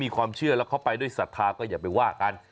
ความเชื่อแล้วเขาไปด้วยศรัทธาก็อย่าไปว่ากัน